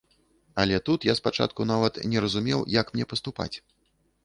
Але тут я спачатку нават не разумеў, як мне паступаць.